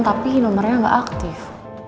tapi nomernya gak aktif